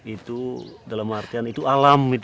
itu dalam artian itu alami